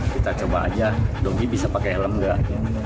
kita coba aja dogi bisa pakai helm nggak